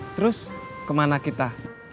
terus kemana kita